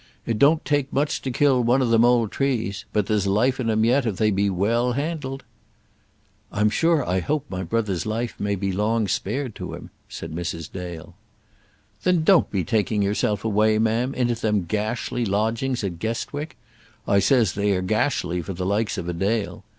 It don't take much to kill one of them old trees, but there's life in 'm yet if they be well handled." "I'm sure I hope my brother's life may be long spared to him," said Mrs. Dale. "Then don't be taking yourself away, ma'am, into them gashly lodgings at Guestwick. I says they are gashly for the likes of a Dale.